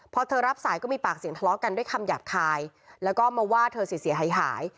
พอเธอรับสายก็มีปากเสียงทะเลาะกันด้วยคำหยาบคายแล้วก็มาว่าเธอเสียหายหาย